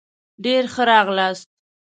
ډېر ښه راغلاست